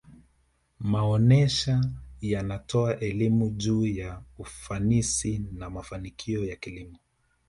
maonesha yanatoa elimu juu ya ufanisi na mafanikio ya kilimo